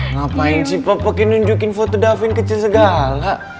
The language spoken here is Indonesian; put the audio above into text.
ngapain si papa kekin nunjukin foto davin kecil segala